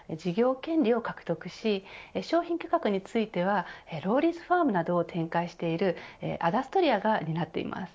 権利を獲得し商品企画についてはローリーズファームなどを展開するアダストリアが担っています。